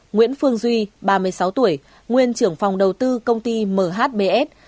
nguyễn phương duy ba mươi sáu tuổi nguyên trưởng phòng đầu tư công ty mhbs